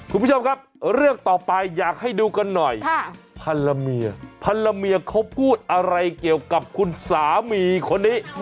คุณผู้ชมครับเรื่องต่อไปอยากให้ดูกันหน่อยพันรเมียพันละเมียเขาพูดอะไรเกี่ยวกับคุณสามีคนนี้